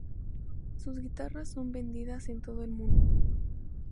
Sus guitarras son vendidas en todo el mundo.